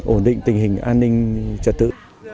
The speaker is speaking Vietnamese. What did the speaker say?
ổn định tình hình an ninh trật tự